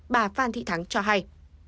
bà phan thị thắng cho hay